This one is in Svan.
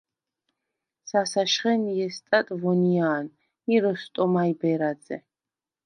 სასაშხენ – ჲესტატ ვონია̄ნ ი როსტომაჲ ბერაძე.